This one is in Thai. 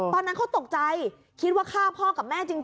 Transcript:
ตอนนั้นเขาตกใจคิดว่าฆ่าพ่อกับแม่จริง